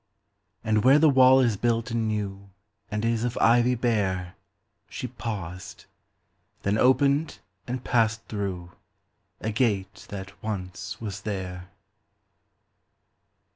And where the wall is built in newAnd is of ivy bareShe paused—then opened and passed throughA gate that once was there.